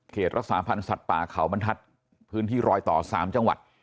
รักษาพันธ์สัตว์ป่าเขาบรรทัศน์พื้นที่รอยต่อ๓จังหวัด